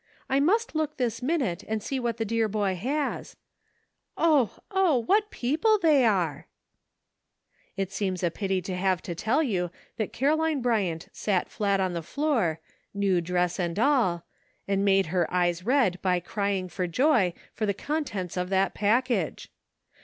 I must look this minute and see what the dear boy has. Oh ! oh ! what people they are !" It seems a pity to have to tell you that Caro line Bryant sat flat on the floor, new dress and all, and made her eyes red by crying for joy for the contents of that package.